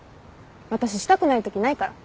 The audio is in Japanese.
私したくないときないから。